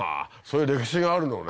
そういう歴史があるのね。